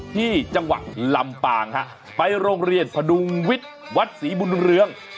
ที่จังหวัดลำปางฮะไปโรงเรียนพดุงวิทย์วัดศรีบุญเรือง